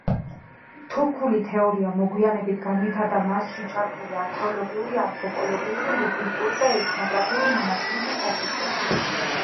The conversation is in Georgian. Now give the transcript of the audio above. თურქული თეორია მოგვიანებით განვითარდა მასში ჩართული არქეოლოგიური, ანთროპოლოგიური, ლინგვისტური და ეთნოგრაფიული მონაცემების საფუძველზე.